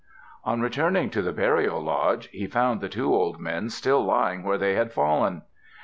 On returning to the burial lodge, he found the two old men still lying where they had fallen.